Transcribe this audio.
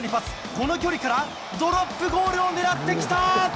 この距離からドロップゴールを狙ってきた。